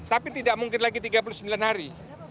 tapi tidak mungkin lagi tiga puluh sembilan hari